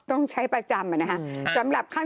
ต้องใช้ประจำนะฮะ